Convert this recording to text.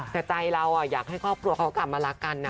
แต่ใจเราอยากให้ครอบครัวเขากลับมารักกันนะ